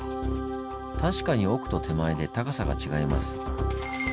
確かに奥と手前で高さが違います。